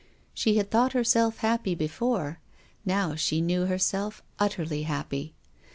She had thought herself happy before, now she knew herself utterly happy.